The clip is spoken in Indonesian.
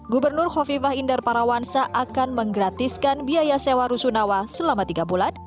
gubernur kofifah indar parawansa akan menggratiskan biaya sewa rusunawa selama tiga bulan